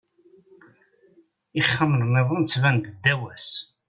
Ixxamen-nniḍen ttbanen-d ddaw-s.